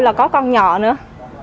là có con nhỏ nữa